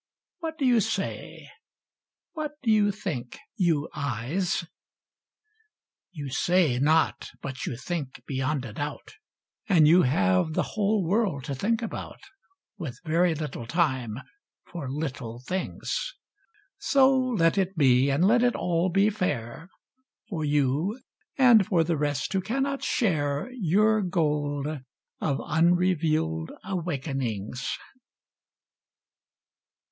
What do you say ? What do you think. You Eyes ? i851 ^ You say not; but you think, beyond a doubt; And you have the whole world to think about, With very little time for little things. So let it be; and let it all be fair — For you, and for the rest who cannot share Your gold of unrevealed awakenings.